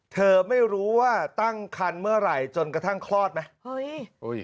เธอไม่รู้ว่าตั้งคันเมื่อไหร่จนกระทั่งคลอดไหม